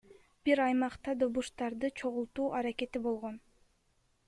Бир аймакта добуштарды чогултуу аракети болгон.